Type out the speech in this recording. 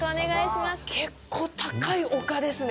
結構高い丘ですね。